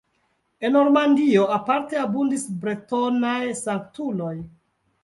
En Normandio aparte abundis bretonaj sanktuloj.